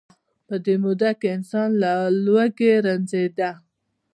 په دې موده کې انسان له لوږې رنځیده.